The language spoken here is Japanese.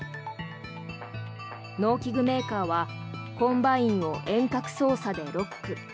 農機具メーカーはコンバインを遠隔操作でロック。